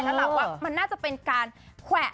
แล้วล่ะว่ามันน่าจะเป็นการแขวะ